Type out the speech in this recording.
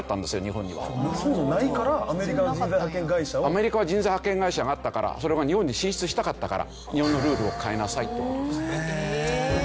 アメリカは人材派遣会社があったからそれを日本に進出したかったから日本のルールを変えなさいと。